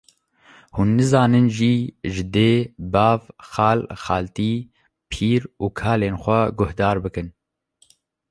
hûn nizanin jî ji dê, bav, xal, xaltî, pîr û kalên xwe guhdar bikin